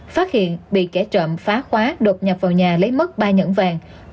phát hiện bị kẻ trộm phá khóa đột nhập vào nhà lấy mất ba nhẫn vàng